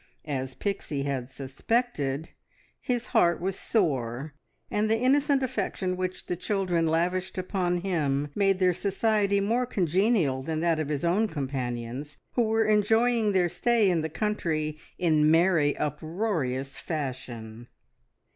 As Pixie had suspected, his heart was sore, and the innocent affection which the children lavished upon him made their society more congenial than that of his own companions, who were enjoying their stay in the country in merry, uproarious fashion.